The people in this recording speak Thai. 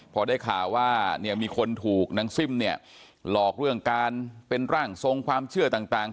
พอได้ข่าวว่าเนี่ยมีคนถูกนางซิ่มเนี่ยหลอกเรื่องการเป็นร่างทรงความเชื่อต่าง